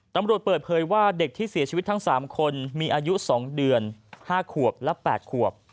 ตำรวจเปิดเผยว่าเด็กที่เสียชีวิตทั้ง๓คนมีอายุ๒เดือน๕ขวบและ๘ขวบ